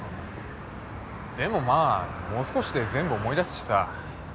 でもまあもう少しで全部思い出すしさ。